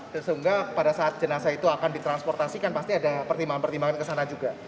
dan sehingga pada saat jenazah itu akan ditransportasikan pasti ada pertimbangan pertimbangan kesana juga